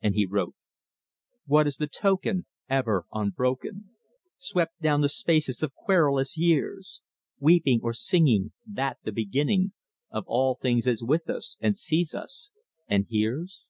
and he wrote: "What is the token, Ever unbroken, Swept down the spaces of querulous years, Weeping or singing That the Beginning Of all things is with us, and sees us, and hears?"